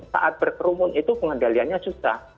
saat berkerumun itu pengendaliannya susah